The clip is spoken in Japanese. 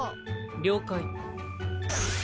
了解。